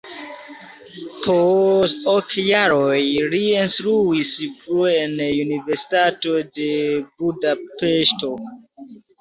Post ok jaroj li instruis plu en Universitato de Budapeŝto.